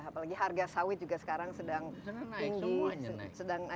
apalagi harga sawit juga sekarang sedang tinggi